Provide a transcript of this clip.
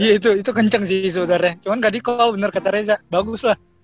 iya itu itu kenceng sih sebenernya cuman ga di call bener kata reza bagus lah